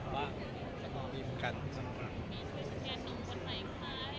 มีอะไรปรึกษาบ้าง